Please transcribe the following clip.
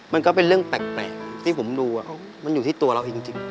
มันก็เป็นเรื่องแปลกที่ผมดูมันอยู่ที่ตัวเราเองจริง